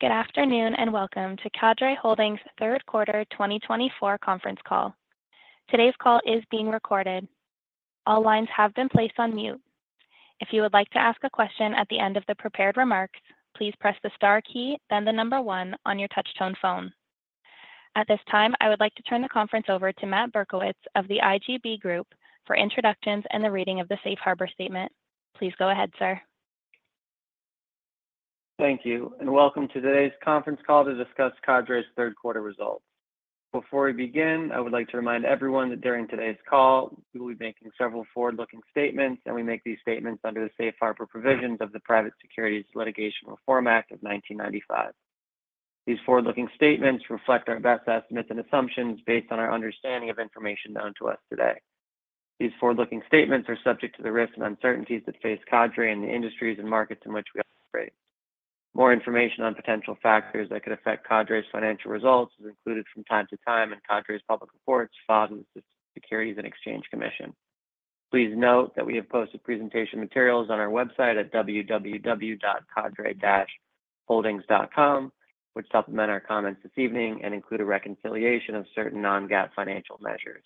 Good afternoon and welcome to Cadre Holdings' Third Quarter 2024 Conference Call. Today's call is being recorded. All lines have been placed on mute. If you would like to ask a question at the end of the prepared remarks, please press the star key, then the number one on your touch-tone phone. At this time, I would like to turn the conference over to Matt Berkowitz of the IGB Group for introductions and the reading of the Safe Harbor Statement. Please go ahead, sir. Thank you, and welcome to today's conference call to discuss Cadre's third quarter results. Before we begin, I would like to remind everyone that during today's call, we will be making several forward-looking statements, and we make these statements under the Safe Harbor Provisions of the Private Securities Litigation Reform Act of 1995. These forward-looking statements reflect our best estimates and assumptions based on our understanding of information known to us today. These forward-looking statements are subject to the risks and uncertainties that face Cadre and the industries and markets in which we operate. More information on potential factors that could affect Cadre's financial results is included from time to time in Cadre's public reports filed with the Securities and Exchange Commission. Please note that we have posted presentation materials on our website at www.cadre-holdings.com, which supplement our comments this evening and include a reconciliation of certain non-GAAP financial measures.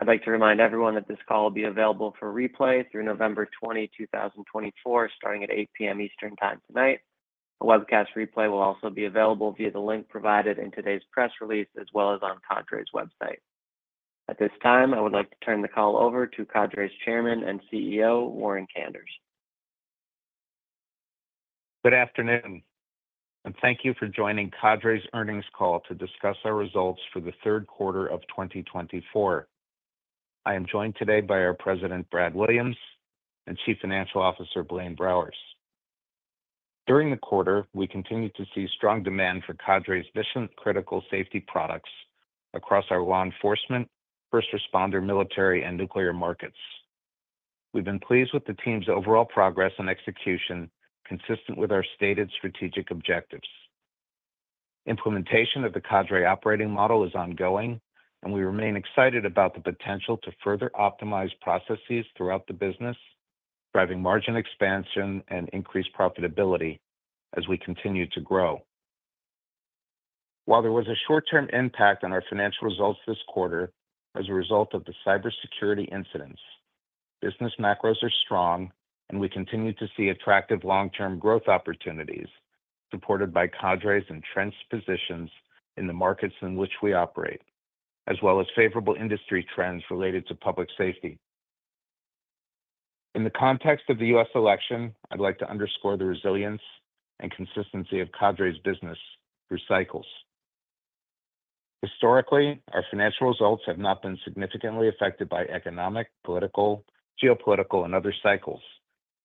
I'd like to remind everyone that this call will be available for replay through November 20, 2024, starting at 8:00 P.M. Eastern Time tonight. A webcast replay will also be available via the link provided in today's press release as well as on Cadre's website. At this time, I would like to turn the call over to Cadre's Chairman and CEO, Warren Kanders. Good afternoon, and thank you for joining Cadre's earnings call to discuss our results for the third quarter of 2024. I am joined today by our President, Brad Williams, and Chief Financial Officer, Blaine Browers. During the quarter, we continue to see strong demand for Cadre's mission-critical safety products across our law enforcement, first responder, military, and nuclear markets. We've been pleased with the team's overall progress and execution consistent with our stated strategic objectives. Implementation of the Cadre Operating Model is ongoing, and we remain excited about the potential to further optimize processes throughout the business, driving margin expansion and increased profitability as we continue to grow. While there was a short-term impact on our financial results this quarter as a result of the cybersecurity incidents, business macros are strong, and we continue to see attractive long-term growth opportunities supported by Cadre's entrenched positions in the markets in which we operate, as well as favorable industry trends related to public safety. In the context of the U.S. election, I'd like to underscore the resilience and consistency of Cadre's business through cycles. Historically, our financial results have not been significantly affected by economic, political, geopolitical, and other cycles,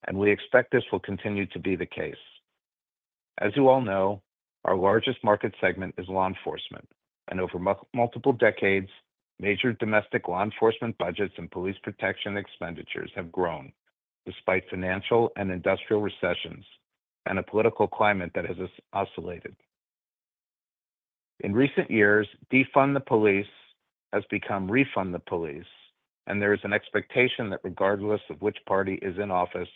and we expect this will continue to be the case. As you all know, our largest market segment is law enforcement, and over multiple decades, major domestic law enforcement budgets and police protection expenditures have grown despite financial and industrial recessions and a political climate that has oscillated. In recent years, defund the police has become refund the police, and there is an expectation that regardless of which party is in office,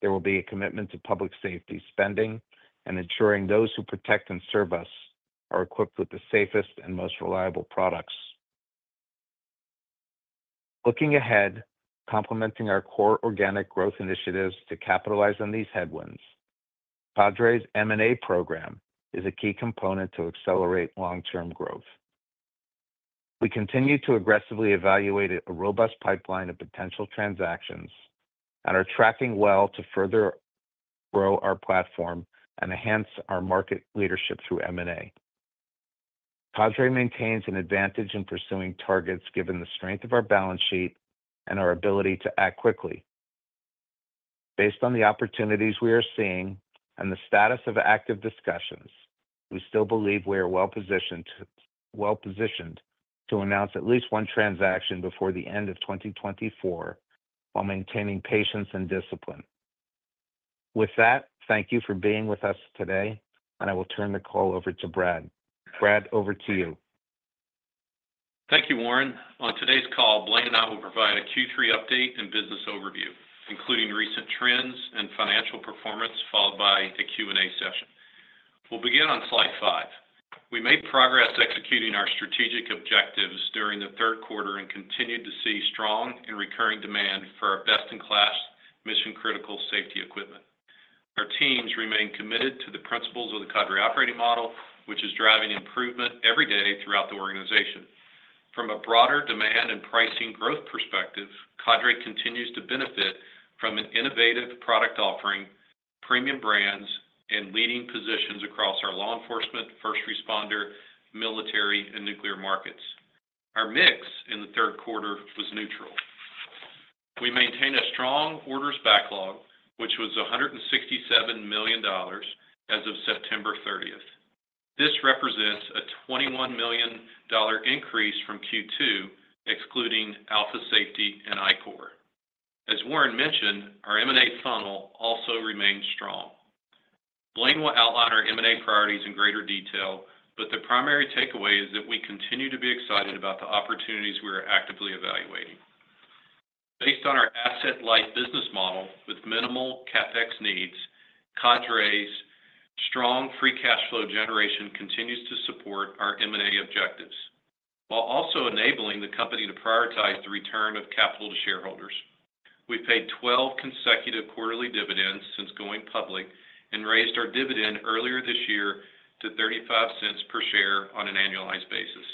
there will be a commitment to public safety spending and ensuring those who protect and serve us are equipped with the safest and most reliable products. Looking ahead, complementing our core organic growth initiatives to capitalize on these headwinds, Cadre's M&A program is a key component to accelerate long-term growth. We continue to aggressively evaluate a robust pipeline of potential transactions and are tracking well to further grow our platform and enhance our market leadership through M&A. Cadre maintains an advantage in pursuing targets given the strength of our balance sheet and our ability to act quickly. Based on the opportunities we are seeing and the status of active discussions, we still believe we are well positioned to announce at least one transaction before the end of 2024 while maintaining patience and discipline. With that, thank you for being with us today, and I will turn the call over to Brad. Brad, over to you. Thank you, Warren. On today's call, Blaine and I will provide a Q3 update and business overview, including recent trends and financial performance, followed by a Q&A session. We'll begin on slide five. We made progress executing our strategic objectives during the third quarter and continued to see strong and recurring demand for our best-in-class mission-critical safety equipment. Our teams remain committed to the principles of the Cadre Operating Model, which is driving improvement every day throughout the organization. From a broader demand and pricing growth perspective, Cadre continues to benefit from an innovative product offering, premium brands, and leading positions across our law enforcement, first responder, military, and nuclear markets. Our mix in the third quarter was neutral. We maintain a strong orders backlog, which was $167 million as of September 30th. This represents a $21 million increase from Q2, excluding Alpha Safety and ICOR. As Warren mentioned, our M&A funnel also remains strong. Blaine will outline our M&A priorities in greater detail, but the primary takeaway is that we continue to be excited about the opportunities we are actively evaluating. Based on our asset-light business model with minimal CapEx needs, Cadre's strong free cash flow generation continues to support our M&A objectives while also enabling the company to prioritize the return of capital to shareholders. We've paid 12 consecutive quarterly dividends since going public and raised our dividend earlier this year to $0.35 per share on an annualized basis.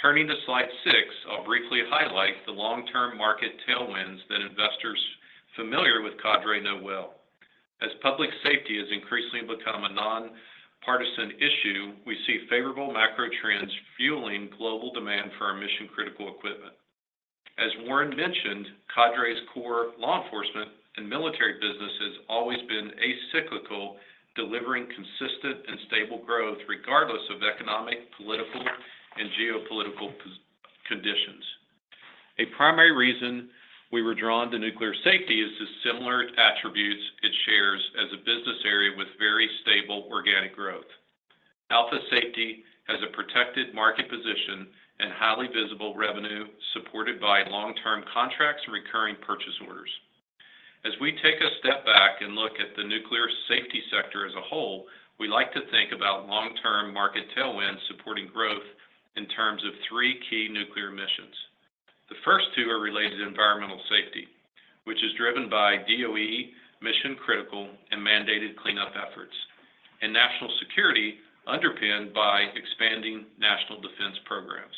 Turning to slide six, I'll briefly highlight the long-term market tailwinds that investors familiar with Cadre know well. As public safety has increasingly become a nonpartisan issue, we see favorable macro trends fueling global demand for our mission-critical equipment. As Warren mentioned, Cadre's core law enforcement and military business has always been acyclical, delivering consistent and stable growth regardless of economic, political, and geopolitical conditions. A primary reason we were drawn to nuclear safety is the similar attributes it shares as a business area with very stable organic growth. Alpha Safety has a protected market position and highly visible revenue supported by long-term contracts and recurring purchase orders. As we take a step back and look at the nuclear safety sector as a whole, we like to think about long-term market tailwinds supporting growth in terms of three key nuclear missions. The first two are related to environmental safety, which is driven by DOE mission-critical and mandated cleanup efforts, and national security underpinned by expanding national defense programs.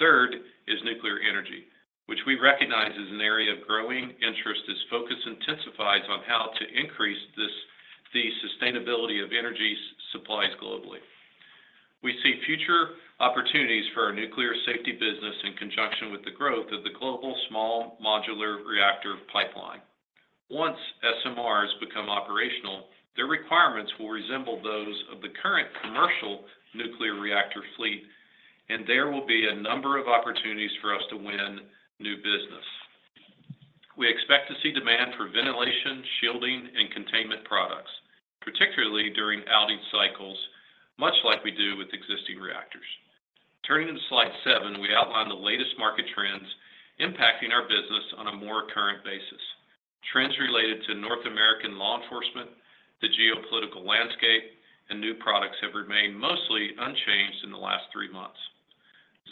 Third is nuclear energy, which we recognize as an area of growing interest as focus intensifies on how to increase the sustainability of energy supplies globally. We see future opportunities for our nuclear safety business in conjunction with the growth of the global small modular reactor pipeline. Once SMRs become operational, their requirements will resemble those of the current commercial nuclear reactor fleet, and there will be a number of opportunities for us to win new business. We expect to see demand for ventilation, shielding, and containment products, particularly during outage cycles, much like we do with existing reactors. Turning to slide seven, we outline the latest market trends impacting our business on a more current basis. Trends related to North American law enforcement, the geopolitical landscape, and new products have remained mostly unchanged in the last three months.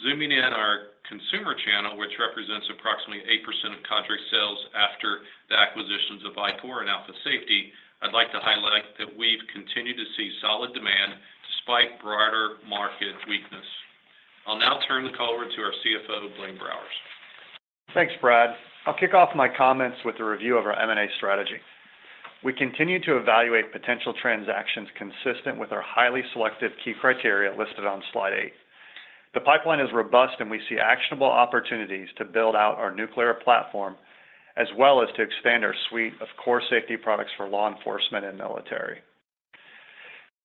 Zooming in on our consumer channel, which represents approximately 8% of Cadre's sales after the acquisitions of ICOR and Alpha Safety, I'd like to highlight that we've continued to see solid demand despite broader market weakness. I'll now turn the call over to our CFO, Blaine Browers. Thanks, Brad. I'll kick off my comments with a review of our M&A strategy. We continue to evaluate potential transactions consistent with our highly selective key criteria listed on slide eight. The pipeline is robust, and we see actionable opportunities to build out our nuclear platform as well as to expand our suite of core safety products for law enforcement and military.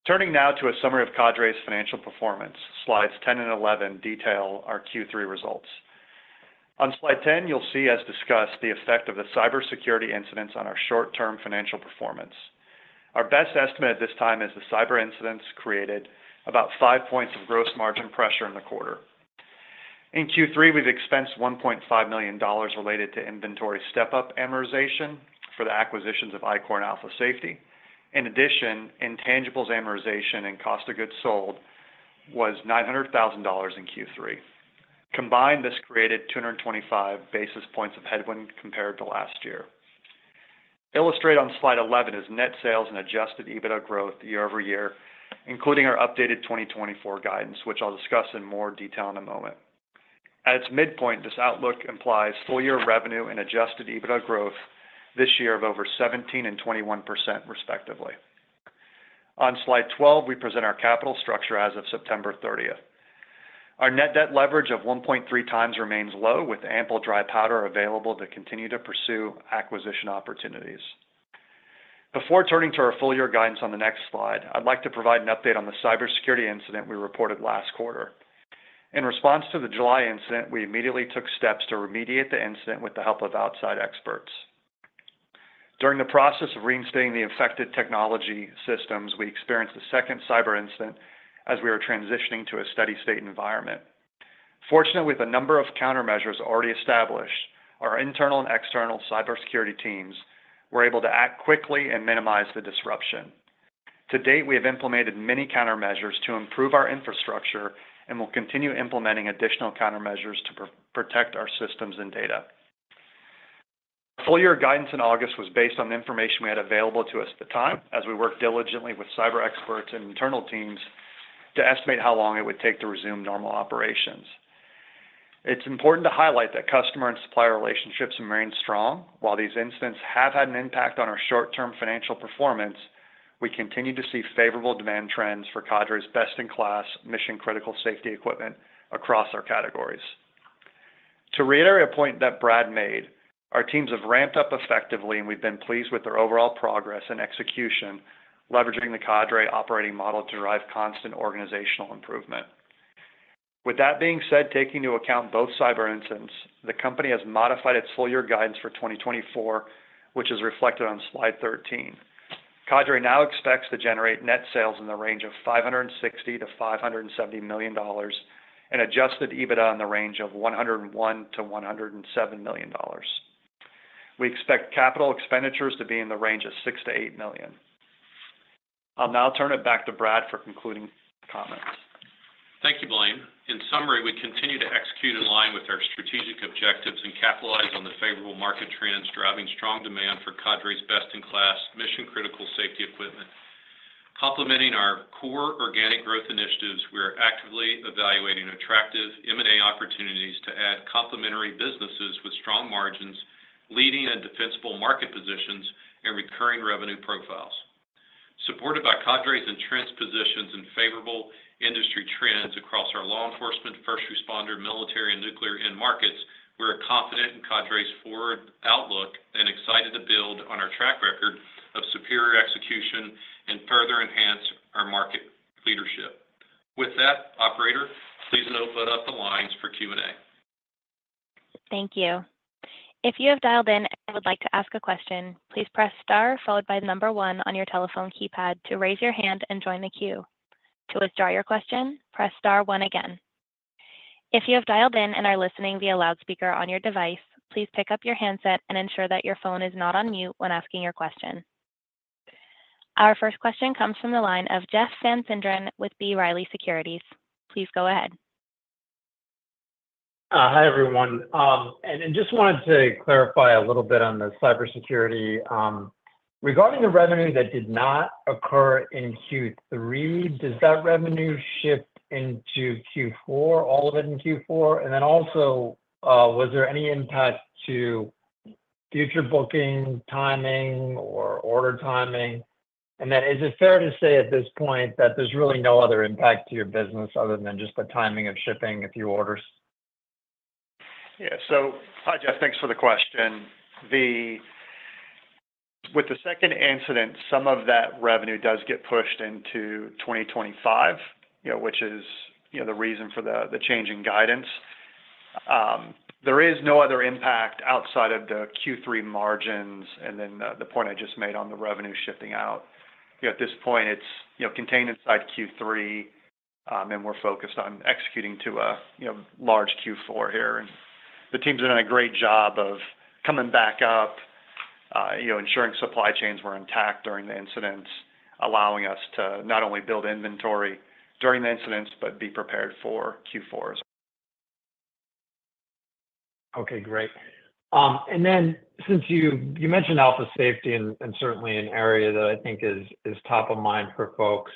Turning now to a summary of Cadre's financial performance, slides 10 and 11 detail our Q3 results. On slide 10, you'll see, as discussed, the effect of the cybersecurity incidents on our short-term financial performance. Our best estimate at this time is the cyber incidents created about five points of gross margin pressure in the quarter. In Q3, we've expensed $1.5 million related to inventory step-up amortization for the acquisitions of ICOR and Alpha Safety. In addition, intangibles amortization and cost of goods sold was $900,000 in Q3. Combined, this created 225 basis points of headwind compared to last year. Illustrated on slide 11 is net sales and Adjusted EBITDA growth year over year, including our updated 2024 guidance, which I'll discuss in more detail in a moment. At its midpoint, this outlook implies full-year revenue and Adjusted EBITDA growth this year of over 17% and 21%, respectively. On slide 12, we present our capital structure as of September 30th. Our net debt leverage of 1.3 times remains low, with ample dry powder available to continue to pursue acquisition opportunities. Before turning to our full-year guidance on the next slide, I'd like to provide an update on the cybersecurity incident we reported last quarter. In response to the July incident, we immediately took steps to remediate the incident with the help of outside experts. During the process of reinstating the affected technology systems, we experienced a second cyber incident as we were transitioning to a steady-state environment. Fortunately, with a number of countermeasures already established, our internal and external cybersecurity teams were able to act quickly and minimize the disruption. To date, we have implemented many countermeasures to improve our infrastructure and will continue implementing additional countermeasures to protect our systems and data. Our full-year guidance in August was based on the information we had available to us at the time as we worked diligently with cyber experts and internal teams to estimate how long it would take to resume normal operations. It's important to highlight that customer and supplier relationships have remained strong. While these incidents have had an impact on our short-term financial performance, we continue to see favorable demand trends for Cadre's best-in-class mission-critical safety equipment across our categories. To reiterate a point that Brad made, our teams have ramped up effectively, and we've been pleased with their overall progress and execution, leveraging the Cadre operating model to drive constant organizational improvement. With that being said, taking into account both cyber incidents, the company has modified its full-year guidance for 2024, which is reflected on slide 13. Cadre now expects to generate net sales in the range of $560 million-$570 million and adjusted EBITDA in the range of $101 million-$107 million. We expect capital expenditures to be in the range of $6 million-$8 million. I'll now turn it back to Brad for concluding comments. Thank you, Blaine. In summary, we continue to execute in line with our strategic objectives and capitalize on the favorable market trends driving strong demand for Cadre's best-in-class mission-critical safety equipment. Complementing our core organic growth initiatives, we are actively evaluating attractive M&A opportunities to add complementary businesses with strong margins, leading and defensible market positions, and recurring revenue profiles. Supported by Cadre's entrenched positions and favorable industry trends across our law enforcement, first responder, military, and nuclear end markets, we are confident in Cadre's forward outlook and excited to build on our track record of superior execution and further enhance our market leadership. With that, operator, please note to put up the lines for Q&A. Thank you. If you have dialed in and would like to ask a question, please press star followed by the number one on your telephone keypad to raise your hand and join the queue. To withdraw your question, press star one again. If you have dialed in and are listening via loudspeaker on your device, please pick up your handset and ensure that your phone is not on mute when asking your question. Our first question comes from the line of Jeff Van Sinderen with B. Riley Securities. Please go ahead. Hi, everyone, and just wanted to clarify a little bit on the cybersecurity. Regarding the revenue that did not occur in Q3, does that revenue shift into Q4, all of it in Q4? And then also, was there any impact to future booking timing or order timing? And then is it fair to say at this point that there's really no other impact to your business other than just the timing of shipping a few orders? Yeah. So, hi, Jeff. Thanks for the question. With the second incident, some of that revenue does get pushed into 2025, which is the reason for the changing guidance. There is no other impact outside of the Q3 margins and then the point I just made on the revenue shifting out. At this point, it's contained inside Q3, and we're focused on executing to a large Q4 here. And the teams have done a great job of coming back up, ensuring supply chains were intact during the incidents, allowing us to not only build inventory during the incidents, but be prepared for Q4 as well. Okay. Great. And then since you mentioned Alpha Safety and certainly an area that I think is top of mind for folks,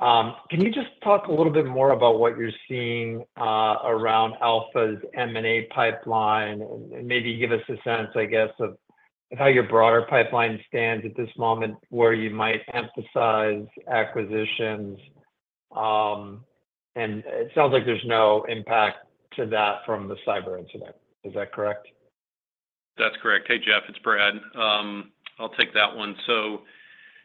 can you just talk a little bit more about what you're seeing around Alpha's M&A pipeline and maybe give us a sense, I guess, of how your broader pipeline stands at this moment where you might emphasize acquisitions? And it sounds like there's no impact to that from the cyber incident. Is that correct? That's correct. Hey, Jeff, it's Brad. I'll take that one.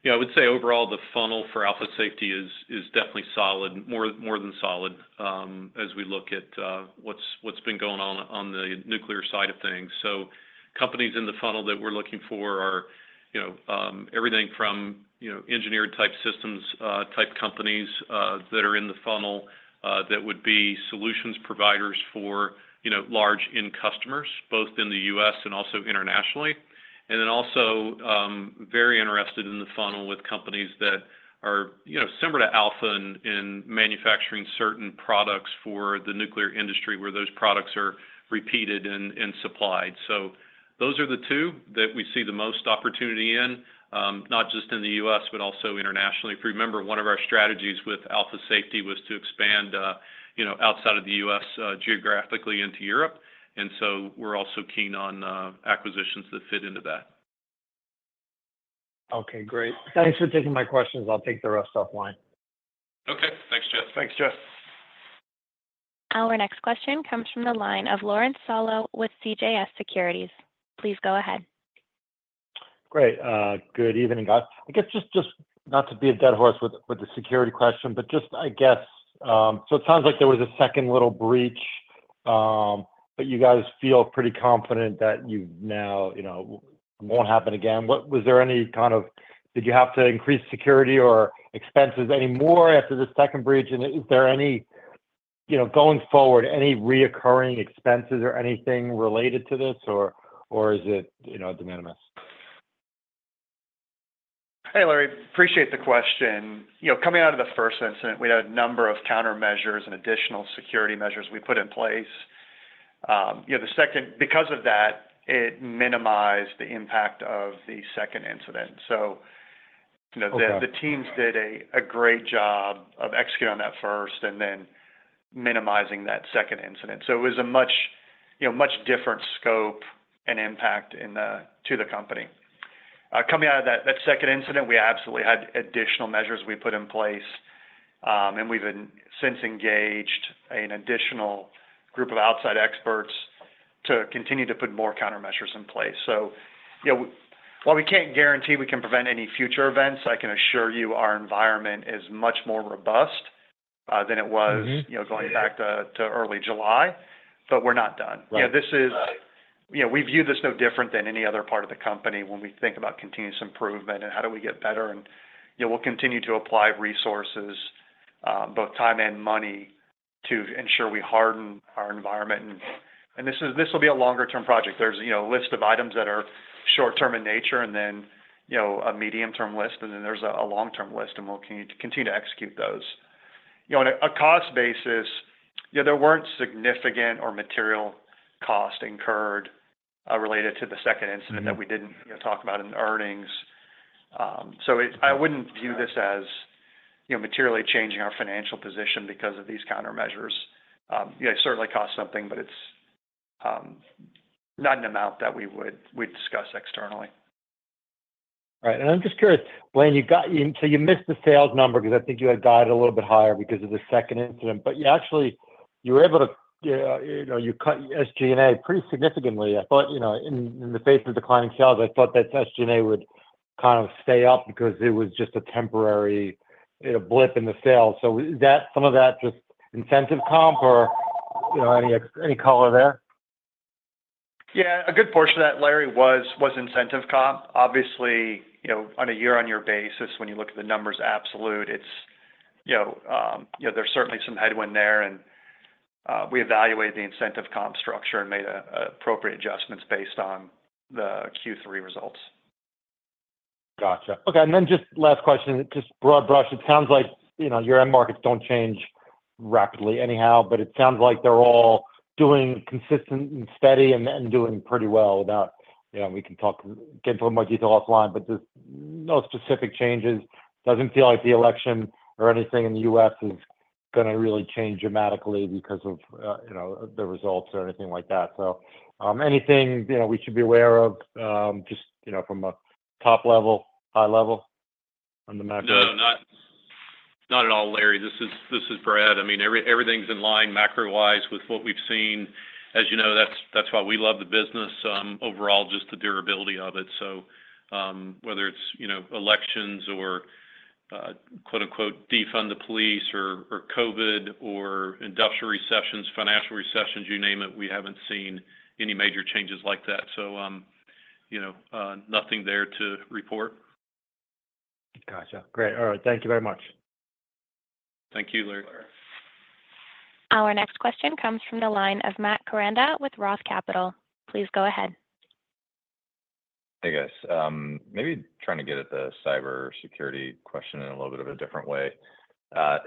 So I would say overall, the funnel for Alpha Safety is definitely solid, more than solid, as we look at what's been going on on the nuclear side of things. So companies in the funnel that we're looking for are everything from engineered-type systems type companies that are in the funnel that would be solutions providers for large end customers, both in the U.S. and also internationally. And then also very interested in the funnel with companies that are similar to Alpha in manufacturing certain products for the nuclear industry where those products are repeated and supplied. So those are the two that we see the most opportunity in, not just in the U.S., but also internationally. If you remember, one of our strategies with Alpha Safety was to expand outside of the U.S. geographically into Europe. And so we're also keen on acquisitions that fit into that. Okay. Great. Thanks for taking my questions. I'll take the rest offline. Okay. Thanks, Jeff. Thanks, Jeff. Our next question comes from the line of Lawrence Solow with CJS Securities. Please go ahead. Great. Good evening, guys. I guess just not to beat a dead horse with the security question, but just, I guess, so it sounds like there was a second little breach, but you guys feel pretty confident that it now won't happen again. Was there any? Did you have to increase security or expenses any more after the second breach? And is there any, going forward, any recurring expenses or anything related to this, or is it de minimis? Hey, Larry. Appreciate the question. Coming out of the first incident, we had a number of countermeasures and additional security measures we put in place. The second, because of that, it minimized the impact of the second incident. So the teams did a great job of executing on that first and then minimizing that second incident. So it was a much different scope and impact to the company. Coming out of that second incident, we absolutely had additional measures we put in place, and we've since engaged an additional group of outside experts to continue to put more countermeasures in place. So while we can't guarantee we can prevent any future events, I can assure you our environment is much more robust than it was going back to early July, but we're not done. We view this no different than any other part of the company when we think about continuous improvement and how do we get better. We'll continue to apply resources, both time and money, to ensure we harden our environment. This will be a longer-term project. There's a list of items that are short-term in nature and then a medium-term list, and then there's a long-term list, and we'll continue to execute those. On a cost basis, there weren't significant or material costs incurred related to the second incident that we didn't talk about in the earnings. I wouldn't view this as materially changing our financial position because of these countermeasures. It certainly costs something, but it's not an amount that we would discuss externally. Right. And I'm just curious, Blaine, so you missed the sales number because I think you had guided a little bit higher because of the second incident, but actually, you were able to cut SG&A pretty significantly. I thought in the face of declining sales, I thought that SG&A would kind of stay up because it was just a temporary blip in the sales. So is that some of that just incentive comp or any color there? Yeah. A good portion of that, Larry, was incentive comp. Obviously, on a year-on-year basis, when you look at the numbers absolute, there's certainly some headwind there. And we evaluated the incentive comp structure and made appropriate adjustments based on the Q3 results. Gotcha. Okay. And then just last question, just broad brush. It sounds like your end markets don't change rapidly anyhow, but it sounds like they're all doing consistent and steady and doing pretty well, we can get into more detail offline, but just no specific changes. Doesn't feel like the election or anything in the U.S. is going to really change dramatically because of the results or anything like that. So anything we should be aware of just from a top level, high level on the macro? No, not at all, Larry. This is Brad. I mean, everything's in line macro-wise with what we've seen. As you know, that's why we love the business overall, just the durability of it. So whether it's elections or "defund the police" or COVID or industrial recessions, financial recessions, you name it, we haven't seen any major changes like that. So nothing there to report. Gotcha. Great. All right. Thank you very much. Thank you, Larry. Our next question comes from the line of Matt Koranda with Roth Capital. Please go ahead. Hey, guys. Maybe trying to get at the cybersecurity question in a little bit of a different way.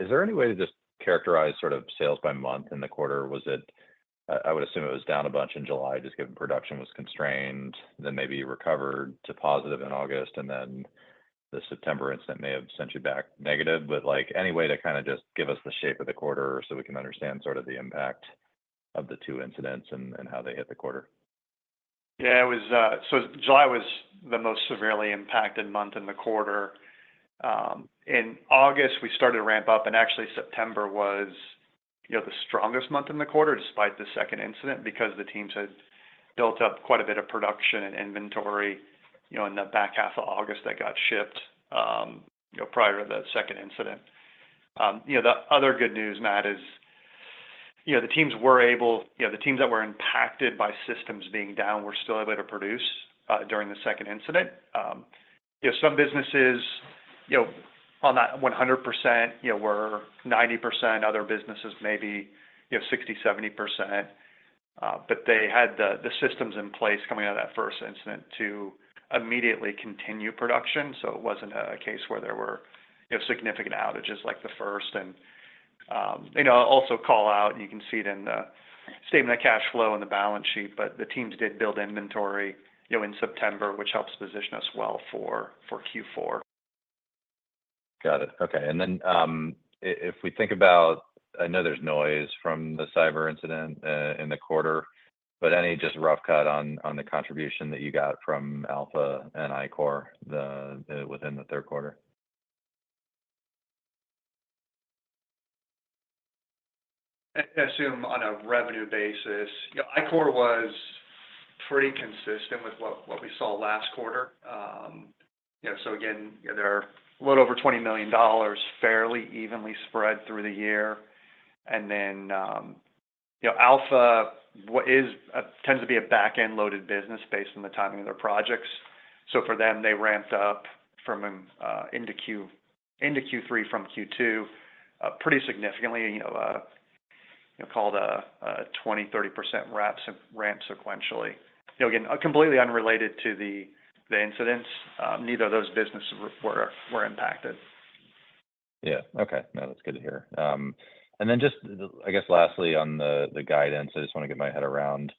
Is there any way to just characterize sort of sales by month in the quarter? I would assume it was down a bunch in July, just given production was constrained, then maybe recovered to positive in August, and then the September incident may have sent you back negative. But any way to kind of just give us the shape of the quarter so we can understand sort of the impact of the two incidents and how they hit the quarter? Yeah. So July was the most severely impacted month in the quarter. In August, we started to ramp up, and actually, September was the strongest month in the quarter despite the second incident because the teams had built up quite a bit of production and inventory in the back half of August that got shipped prior to the second incident. The other good news, Matt, is the teams were able to. The teams that were impacted by systems being down were still able to produce during the second incident. Some businesses on that 100% were 90%, other businesses maybe 60%-70%, but they had the systems in place coming out of that first incident to immediately continue production. So it wasn't a case where there were significant outages like the first. And also call out, and you can see it in the statement of cash flow and the balance sheet, but the teams did build inventory in September, which helps position us well for Q4. Got it. Okay. And then if we think about I know there's noise from the cyber incident in the quarter, but any just rough cut on the contribution that you got from Alpha and ICOR within the third quarter? I assume on a revenue basis, ICOR was pretty consistent with what we saw last quarter. So again, they're a little over $20 million, fairly evenly spread through the year. And then Alpha tends to be a back-end-loaded business based on the timing of their projects. So for them, they ramped up from into Q3 from Q2 pretty significantly, called a 20%-30% ramp sequentially. Again, completely unrelated to the incidents. Neither of those businesses were impacted. Yeah. Okay. No, that's good to hear. And then just, I guess, lastly, on the guidance, I just want to get my head around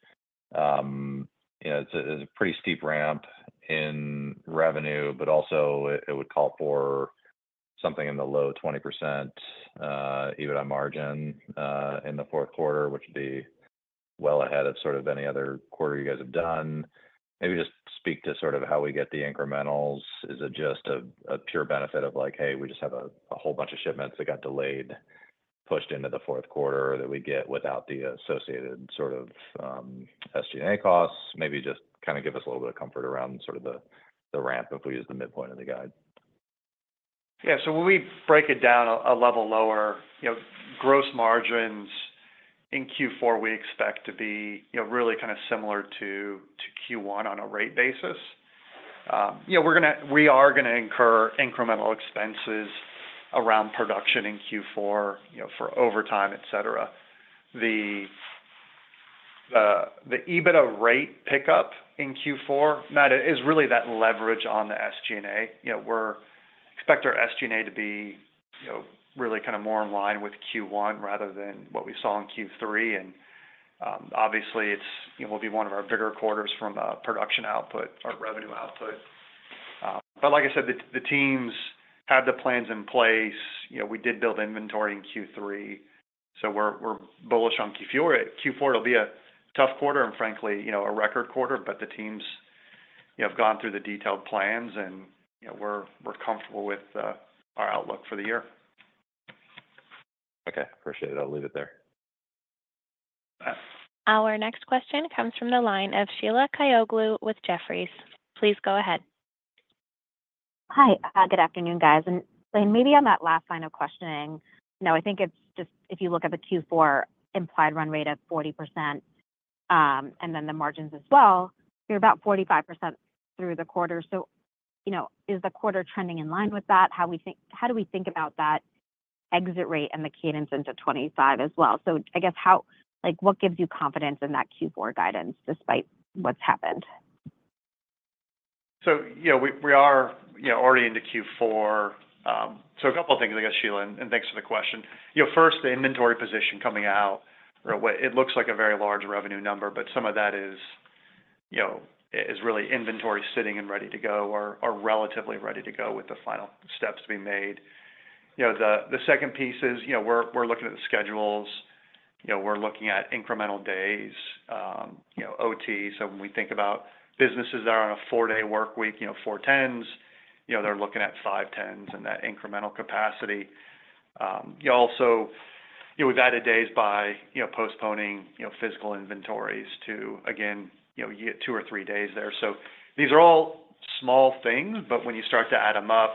it's a pretty steep ramp in revenue, but also it would call for something in the low 20% EBITDA margin in the fourth quarter, which would be well ahead of sort of any other quarter you guys have done. Maybe just speak to sort of how we get the incrementals. Is it just a pure benefit of like, "Hey, we just have a whole bunch of shipments that got delayed, pushed into the fourth quarter that we get without the associated sort of SG&A costs?" Maybe just kind of give us a little bit of comfort around sort of the ramp if we use the midpoint of the guide. Yeah. So when we break it down a level lower, gross margins in Q4 we expect to be really kind of similar to Q1 on a rate basis. We are going to incur incremental expenses around production in Q4 for overtime, etc. The EBITDA rate pickup in Q4, Matt, is really that leverage on the SG&A. We expect our SG&A to be really kind of more in line with Q1 rather than what we saw in Q3. And obviously, it will be one of our bigger quarters from a production output or revenue output. But like I said, the teams had the plans in place. We did build inventory in Q3, so we're bullish on Q4. Q4 will be a tough quarter and, frankly, a record quarter, but the teams have gone through the detailed plans, and we're comfortable with our outlook for the year. Okay. Appreciate it. I'll leave it there. Our next question comes from the line of Sheila Kahyaoglu with Jefferies. Please go ahead. Hi. Good afternoon, guys, and Blaine, maybe on that last line of questioning, I think it's just if you look at the Q4 implied run rate of 40% and then the margins as well, you're about 45% through the quarter. So is the quarter trending in line with that? How do we think about that exit rate and the cadence into '25 as well? So I guess what gives you confidence in that Q4 guidance despite what's happened? So we are already into Q4. So a couple of things, I guess, Sheila, and thanks for the question. First, the inventory position coming out, it looks like a very large revenue number, but some of that is really inventory sitting and ready to go or relatively ready to go with the final steps to be made. The second piece is we're looking at the schedules. We're looking at incremental days, OT. So when we think about businesses that are on a four-day workweek, 4-10s, they're looking at 5-10s and that incremental capacity. Also, we've added days by postponing physical inventories to, again, you get two or three days there. So these are all small things, but when you start to add them up,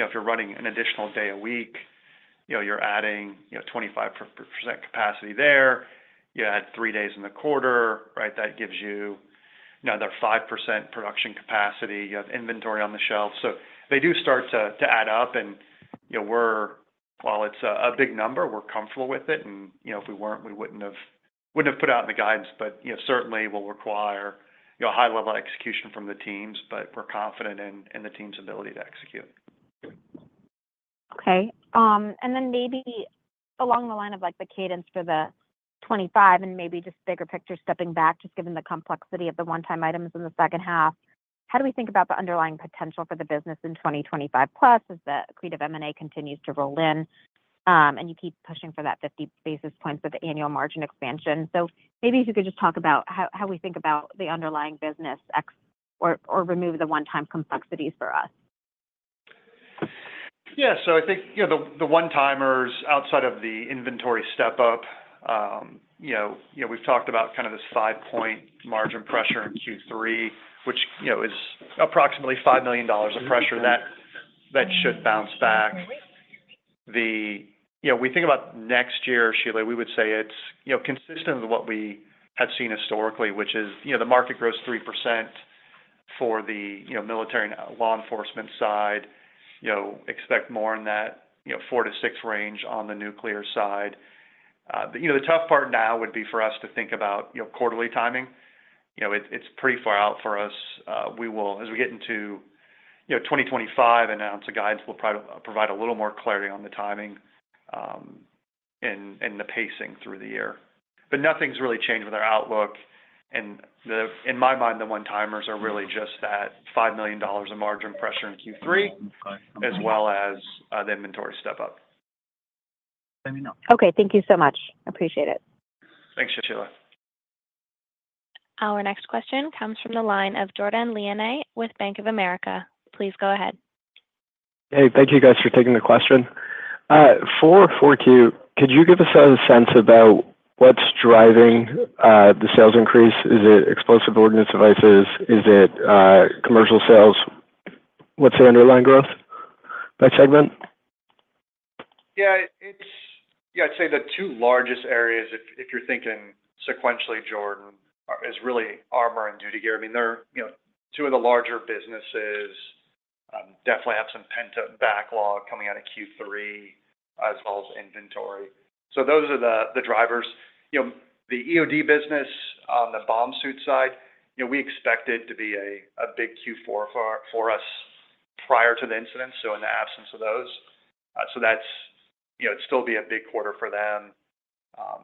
if you're running an additional day a week, you're adding 25% capacity there. You add three days in the quarter, right? That gives you another 5% production capacity. You have inventory on the shelf. So they do start to add up, and while it's a big number, we're comfortable with it, and if we weren't, we wouldn't have put it out in the guidance, but certainly will require a high-level execution from the teams, but we're confident in the team's ability to execute. Okay. And then maybe along the line of the Cadence for the 2025 and maybe just bigger picture stepping back, just given the complexity of the one-time items in the second half, how do we think about the underlying potential for the business in 2025 plus as the accretive M&A continues to roll in and you keep pushing for that 50 basis points of the annual margin expansion? So maybe if you could just talk about how we think about the underlying business or remove the one-time complexities for us. Yeah. So I think the one-timers outside of the inventory step-up, we've talked about kind of this five-point margin pressure in Q3, which is approximately $5 million of pressure that should bounce back. We think about next year, Sheila, we would say it's consistent with what we have seen historically, which is the market grows 3% for the military and law enforcement side. Expect more in that 4%-6% range on the nuclear side. The tough part now would be for us to think about quarterly timing. It's pretty far out for us. As we get into 2025, announce a guidance will provide a little more clarity on the timing and the pacing through the year. But nothing's really changed with our outlook. And in my mind, the one-timers are really just that $5 million of margin pressure in Q3 as well as the inventory step-up. Okay. Thank you so much. Appreciate it. Thanks, Sheila. Our next question comes from the line of Jordan Lamm with Bank of America. Please go ahead. Hey, thank you guys for taking the question. For Q4, could you give us a sense about what's driving the sales increase? Is it explosive ordnance devices? Is it commercial sales? What's the underlying growth by segment? Yeah. I'd say the two largest areas, if you're thinking sequentially, Jordan, is really armor and duty gear. I mean, two of the larger businesses definitely have some pent-up backlog coming out of Q3 as well as inventory. So those are the drivers. The EOD business on the bomb suit side, we expected to be a big Q4 for us prior to the incident, so in the absence of those. So that's still a big quarter for them.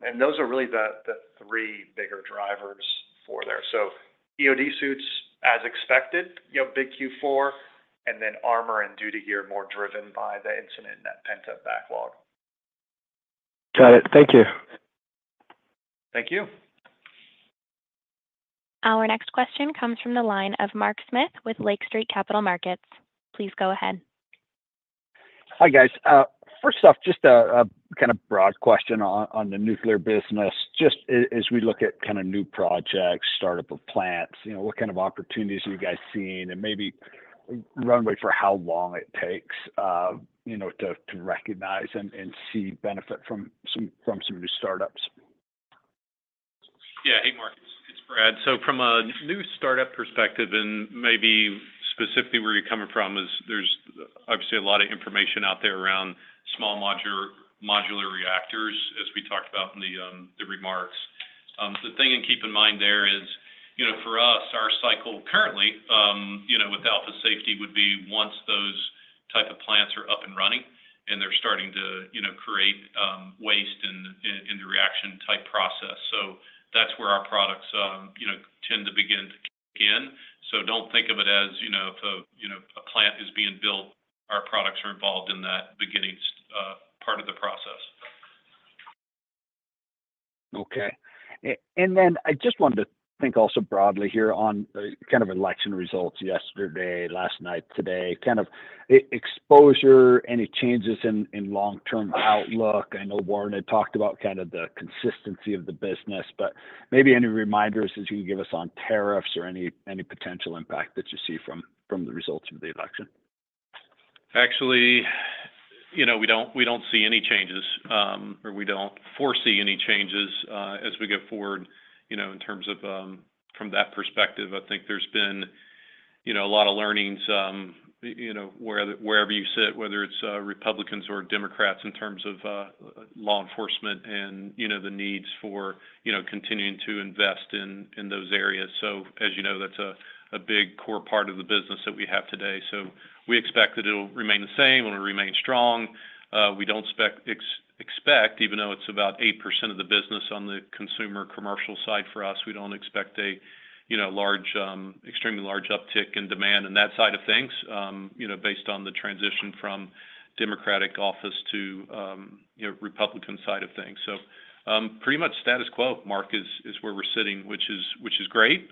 And those are really the three bigger drivers for there. So EOD suits, as expected, big Q4, and then armor and duty gear more driven by the incident and that pent-up backlog. Got it. Thank you. Thank you. Our next question comes from the line of Mark Smith with Lake Street Capital Markets. Please go ahead. Hi, guys. First off, just a kind of broad question on the nuclear business. Just as we look at kind of new projects, startup of plants, what kind of opportunities are you guys seeing, and maybe runway for how long it takes to recognize and see benefit from some new startups? Yeah. Hey, Mark. It's Brad. So from a new startup perspective, and maybe specifically where you're coming from, there's obviously a lot of information out there around small modular reactors, as we talked about in the remarks. The thing to keep in mind there is, for us, our cycle currently with Alpha Safety would be once those type of plants are up and running and they're starting to create waste in the reaction type process. So that's where our products tend to begin to kick in. So don't think of it as if a plant is being built. Our products are involved in that beginning part of the process. Okay. And then I just wanted to think also broadly here on kind of election results yesterday, last night, today, kind of exposure, any changes in long-term outlook. I know Warren had talked about kind of the consistency of the business, but maybe any reminders that you can give us on tariffs or any potential impact that you see from the results of the election? Actually, we don't see any changes, or we don't foresee any changes as we go forward in terms of from that perspective. I think there's been a lot of learnings wherever you sit, whether it's Republicans or Democrats in terms of law enforcement and the needs for continuing to invest in those areas. So, as you know, that's a big core part of the business that we have today. So we expect that it'll remain the same and will remain strong. We don't expect, even though it's about 8% of the business on the consumer commercial side for us, we don't expect a large, extremely large uptick in demand in that side of things based on the transition from Democratic office to Republican side of things. So pretty much status quo, Mark, is where we're sitting, which is great.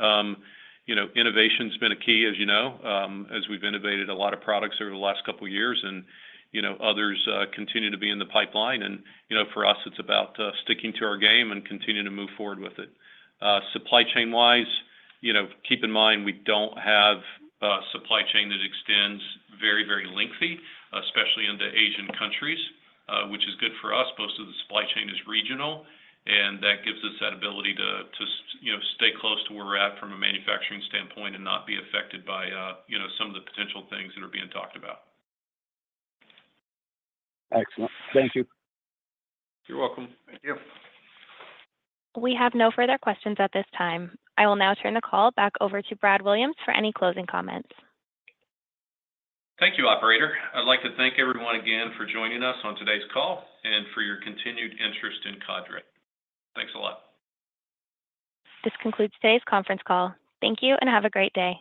Innovation has been a key, as you know, as we've innovated a lot of products over the last couple of years, and others continue to be in the pipeline, and for us, it's about sticking to our game and continuing to move forward with it. Supply chain-wise, keep in mind we don't have a supply chain that extends very, very lengthy, especially into Asian countries, which is good for us. Most of the supply chain is regional, and that gives us that ability to stay close to where we're at from a manufacturing standpoint and not be affected by some of the potential things that are being talked about. Excellent. Thank you. You're welcome. Thank you. We have no further questions at this time. I will now turn the call back over to Brad Williams for any closing comments. Thank you, operator. I'd like to thank everyone again for joining us on today's call and for your continued interest in Cadre. Thanks a lot. This concludes today's conference call. Thank you and have a great day.